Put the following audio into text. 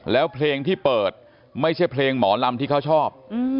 แล้วเพลงที่เปิดไม่ใช่เพลงหมอลำที่เขาชอบ